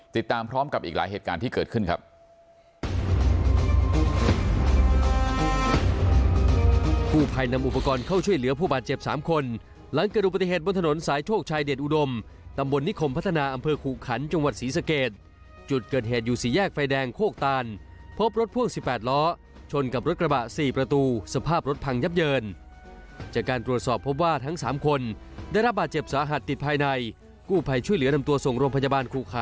ติดตามพร้อมกับอีกหลายเหตุการณ์ที่เกิดขึ้นครับ